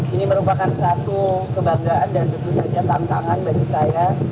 ini merupakan satu kebanggaan dan tentu saja tantangan bagi saya